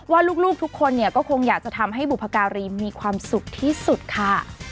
ว่าลูกทุกคนเนี่ยก็คงอยากจะทำให้บุพการีมีความสุขที่สุดค่ะ